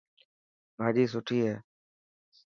ڀاڄي سٺي هي.